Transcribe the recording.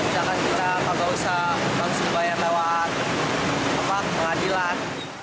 jangan jangan kalau usah harus dibayar lewat pengadilan